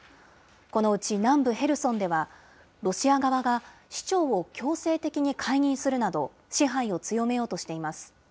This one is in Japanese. このうち南部ヘルソンでは、ロシア側が市長を強制的に解任するなど、支配を強めようとしています。